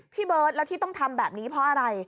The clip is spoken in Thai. พี่เบิร์ตแล้วที่ต้องทำแบบนี้เพราะอะไร